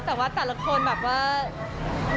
แต่ว่าแต่ละคนแบบว่า